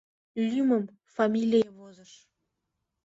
Лӱмым, фамилийым возыш.